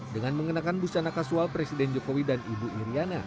dengan mengenakan busana kasual presiden jokowi dan ibu iryana